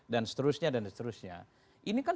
dan seterusnya dan seterusnya ini kan